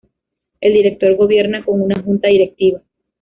El Director gobierna con una Junta Directiva.